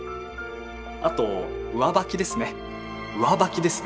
あと上履きですね。